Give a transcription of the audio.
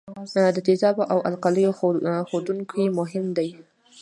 د تیزابو او القلیو ښودونکي مهم دي.